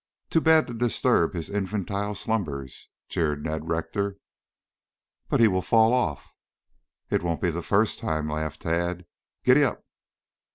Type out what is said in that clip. "Too bad to disturb his infantile slumbers," jeered Ned Rector. "But he will fall off." "It wouldn't be the first time," laughed Tad. "Gid ap!"